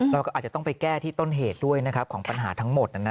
เราก็อาจจะต้องไปแก้ที่ต้นเหตุด้วยของปัญหาทั้งหมด